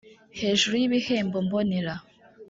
hejuru y ibihembo mbonera